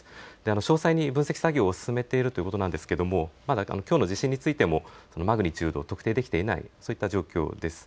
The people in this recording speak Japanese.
詳細に分析作業を進めているということなんですがまだきょうの地震についてもマグニチュードを特定できていない、そういった状況です。